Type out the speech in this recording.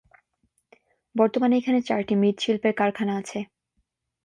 বর্তমানে এখানে চারটি মৃৎশিল্পের কারখানা আছে।